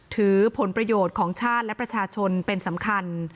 ถือผลประโยชน์ของชาติและประชาชนเป็นสำคัญ